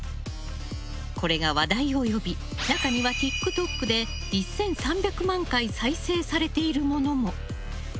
これが話題を呼び中にはＴｉｋＴｏｋで１３００万回再生されているものも。